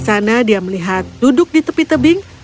di sana dia melihat duduk di tepi tebing